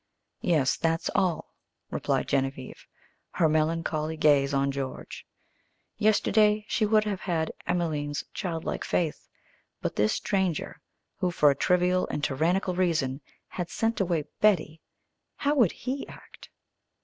"Yes, that's all," replied Genevieve, her melancholy gaze on George. Yesterday she would have had Emelene's childlike faith. But this stranger, who, for a trivial and tyrannical reason, had sent away Betty how would he act?